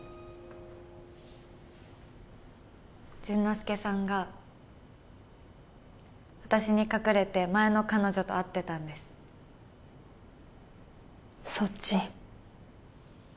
潤之介さんが私に隠れて前の彼女と会ってたんですそっち？